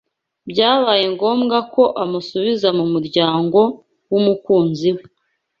Byabaye ngombwa ko amusubiza ku muryango w'umukunzi we